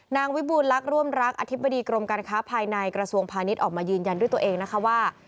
วิบูลลักษ์ร่วมรักอธิบดีกรมการค้าภายในกระทรวงพาณิชย์ออกมายืนยันด้วยตัวเองนะคะว่า